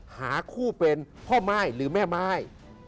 หาคู่เป็นพ่อม่ายหรือแม่ม่าย